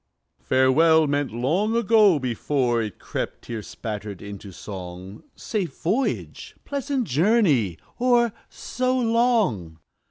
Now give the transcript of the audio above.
"Farewell," meant long ago, before It crept, tear spattered, into song, "Safe voyage!" "Pleasant journey!" or "So long!"